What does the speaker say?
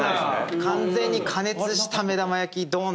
完全に加熱した目玉焼きドーン！